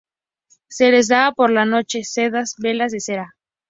Se les daba por la noche sendas velas de cera.